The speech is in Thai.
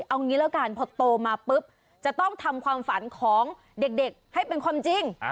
เอางี้แล้วกันพอโตมาปุ๊บจะต้องทำความฝันของเด็กให้เป็นความจริง